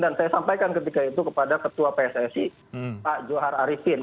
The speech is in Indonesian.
dan saya sampaikan ketika itu kepada ketua pssi pak johar arifin